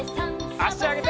あしあげて。